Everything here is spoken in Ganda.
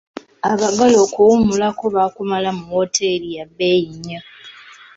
Abagole okuwummulako baakumala mu wooteri yabeeyi nnyo.